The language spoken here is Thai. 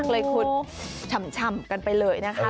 ก็เลยขุดฉ่ำกันไปเลยนะคะ